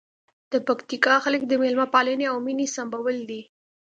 د پکتیکا خلک د مېلمه پالنې او مینې سمبول دي.